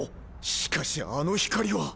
しかしあの光は。